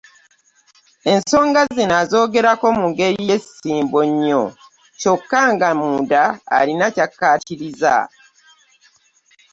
Ensonga zino azoogerako mu ngeri ya ssimbo nnyo, kyokka nga munda alina ky’akkaatiriza.